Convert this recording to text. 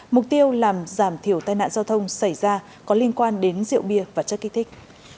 mục tiêu làm giảm thiểu tai nạn giao thông xảy ra có liên quan đến rượu bia và chất kích thích